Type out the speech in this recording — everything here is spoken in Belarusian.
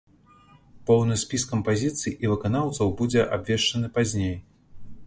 Поўны спіс кампазіцый і выканаўцаў будзе абвешчаны пазней.